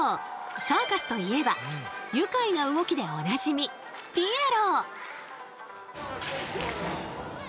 サーカスといえば愉快な動きでおなじみピエロ！